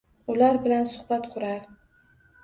Ular bilan suhbat kurar